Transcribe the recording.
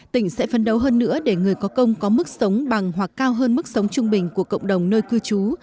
tỉnh sẽ phân đấu hơn nữa để người có công có mức sống bằng hoặc cao hơn mức sống trung bình của cộng đồng nơi cư trú